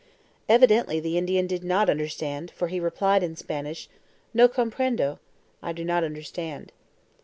Evidently the Indian did not understand, for he replied in Spanish, "No comprendo" (I do not understand).